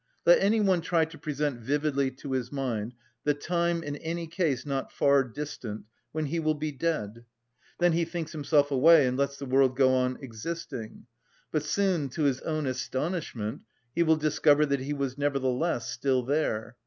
Let any one try to present vividly to his mind the time, in any case not far distant, when he will be dead. Then he thinks himself away and lets the world go on existing; but soon, to his own astonishment, he will discover that he was nevertheless still there.